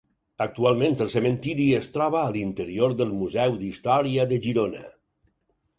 Actualment, el cementiri es troba a l'interior del Museu d'Història de Girona.